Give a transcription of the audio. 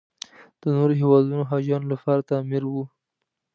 د نورو هېوادونو حاجیانو لپاره تعمیر و.